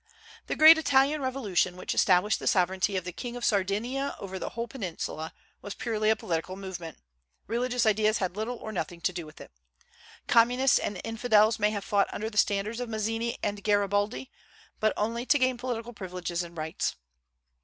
The great Italian revolution which established the sovereignty of the King of Sardinia over the whole peninsula was purely a political movement. Religious ideas had little or nothing to do with it. Communists and infidels may have fought under the standards of Mazzini and Garibaldi, but only to gain political privileges and rights.